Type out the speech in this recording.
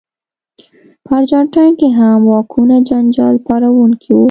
په ارجنټاین کې هم واکونه جنجال پاروونکي وو.